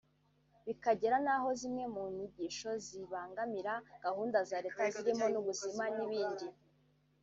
bikagera n’aho zimwe mu nyigisho zibangamira gahunda za Leta zirimo n’ubuzima n’ibindi